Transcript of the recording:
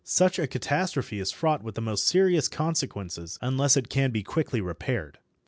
Such a catastrophe is fraught with the most serious consequences, unless it can be quickly repaired.